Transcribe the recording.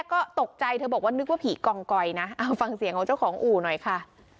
ก็ตกใจเธอบอกว่านึกว่าผีกองกอยนะเอาฟังเสียงของเจ้าของอู่หน่อยค่ะ